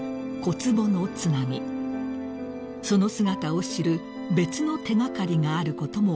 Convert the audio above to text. ［その姿を知る別の手掛かりがあることも分かりました］